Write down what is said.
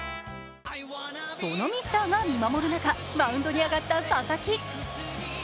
そのミスターが見守る中マウンドに上がった佐々木。